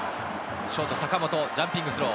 ショート・坂本、ジャンピングスロー。